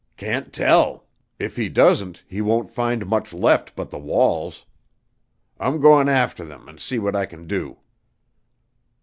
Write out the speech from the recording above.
"Can't tell. If he doesn't he won't find much left but the walls. I'm goin' arter them an' see what I can do."